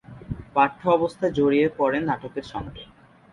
পাঠ্য অবস্থায় জড়িয়ে পড়েন নাটকের সঙ্গে।